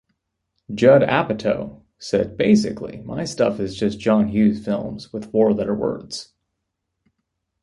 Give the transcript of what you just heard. Judd Apatow said Basically, my stuff is just John Hughes films with four-letter words.